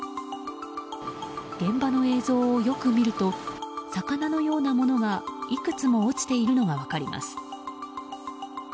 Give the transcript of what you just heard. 現場の映像をよく見ると魚のようなものがいくつも落ちているのが分かります。